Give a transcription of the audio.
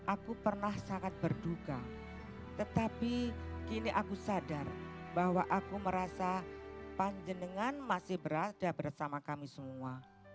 aku pernah sangat berduka tetapi kini aku sadar bahwa aku merasa panjenengan masih berada bersama kami semua